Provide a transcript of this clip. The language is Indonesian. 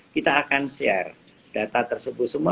kita akan share data tersebut semua